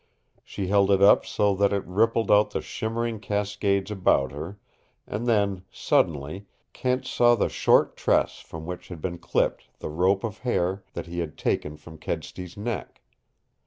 She held it up so that it rippled out in shimmering cascades about her and then, suddenly, Kent saw the short tress from which had been clipped the rope of hair that he had taken from Kedsty's neck.